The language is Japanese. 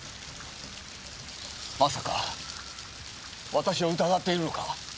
まさか私を疑っているのか？